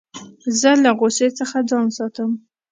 زه له غوسې څخه ځان ساتم.